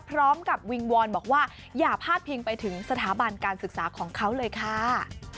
พร้อมกับวิงวอนบอกว่าอย่าพาดพิงไปถึงสถาบันการศึกษาของเขาเลยค่ะ